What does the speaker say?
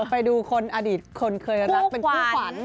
ไปดูคนอดีตคนเคยรักเป็นคู่ขวัญ